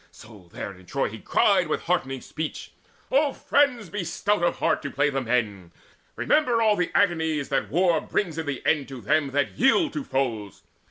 So there in Troy he cried with heartening speech: "O friends, be stout of heart to play the men! Remember all the agonies that war Brings in the end to them that yield to foes.